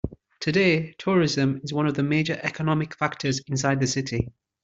Today, tourism is one of the major economic factors inside the city.